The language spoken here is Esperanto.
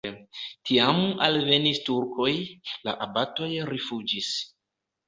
Tiam alvenis turkoj, la abatoj rifuĝis.